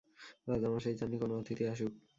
রাজা মশাই চাননি কোনও অতিথি আসুক!